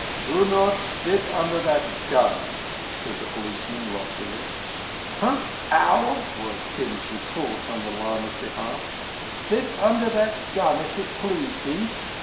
"Do not sit under that gun," said the policeman loftily. "Huh! Owl!" was Kim's retort on the lama's behalf. "Sit under that gun if it please thee.